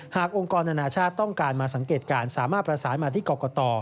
องค์กรอนานาชาติต้องการมาสังเกตการณ์สามารถประสานมาที่กรกต